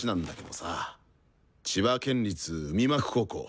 千葉県立海幕高校。